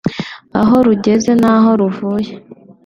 aho rugeze n’aho ruvuye